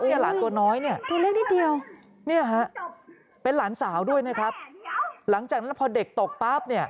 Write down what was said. นี่หลานตัวน้อยนี่นี่ฮะเป็นหลานสาวด้วยนะครับหลังจากนั้นพอเด็กตกปั๊บ